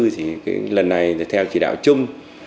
thì lần này theo chỉ đạo chung